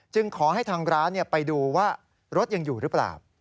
ขอให้ทางร้านไปดูว่ารถยังอยู่หรือเปล่า